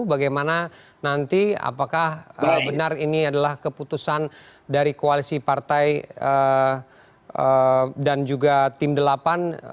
bagaimana nanti apakah benar ini adalah keputusan dari koalisi partai dan juga tim delapan